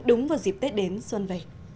đúng vào dịp tết đến xuân về